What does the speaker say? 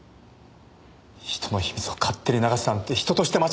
人の秘密を勝手に流すなんて人として間違ってる。